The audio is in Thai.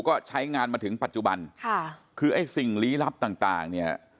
ก็ใช้งานมาถึงปัจจุบันค่ะคือไอ้สิ่งลี้ลับต่างต่างเนี่ย